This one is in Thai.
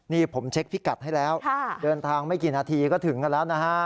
นี่ผมเช็คพิกัดให้แล้วเดินทางไม่กี่นาทีก็ถึงกันแล้วนะฮะ